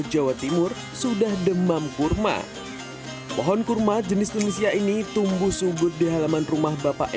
jawa timur sudah demam kurma pohon kurma jenis tunisia ini tumbuh subur di halaman rumah bapak